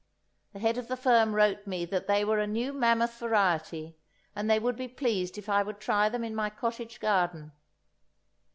The head of the firm wrote me that they were a new mammoth variety, and they would be pleased if I would try them in my cottage garden.